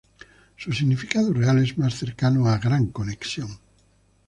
Su significado real es más cercano a "Gran Conexión".